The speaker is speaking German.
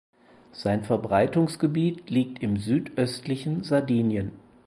Sein Verbreitungsgebiet liegt im südöstlichen Sardinien.